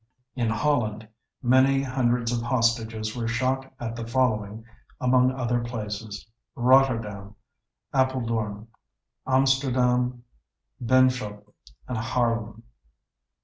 In Holland many hundreds of hostages were shot at the following among other places—Rotterdam, Apeldoorn, Amsterdam, Benschop, and Haarlem.